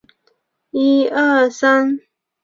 最后连惠心还是因为西替利司他是禁药被判有罪。